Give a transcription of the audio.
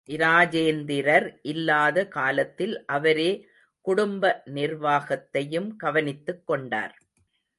இராஜேந்திரர் இல்லாத காலத்தில் அவரே குடும்ப நிர்வாகத்தையும் கவனித்துக் கொண்டார்.